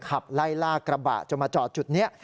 ขับไล่ล่ากระบะจนมาจอดจุดนี้